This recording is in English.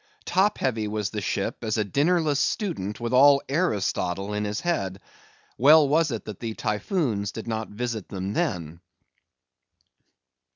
Top heavy was the ship as a dinnerless student with all Aristotle in his head. Well was it that the Typhoons did not visit them then.